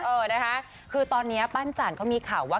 เออนะคะคือตอนนี้ปั้นจันทร์เขามีข่าวว่า